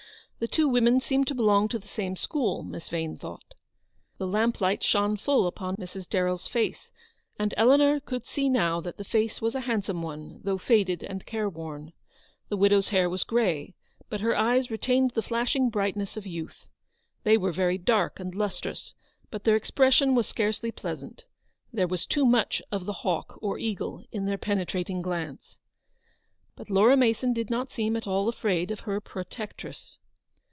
The two women seemed to belong to the same school, Miss Vane thought. The lamplight shone full upon Mrs. DarrelPs face, and Eleanor could see now that the face was a handsome one, though faded and careworn. The widow's hair was grey, but her eyes retained the flashing brightness of youth. They were very dark and lustrous, but their expression was scarcely pleasant. There was too much of the hawk or eagle in their penetrating glance. But Laura Mason did not seem at all afraid of her protectress.